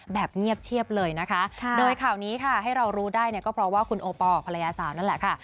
แบบเงียบเชียบเลยนะคะโดยข่าวนี้ค่ะให้เรารู้ได้เนี่ยก็เพราะว่าคุณโอปอลภรรยาสาวนั่นแหละค่ะ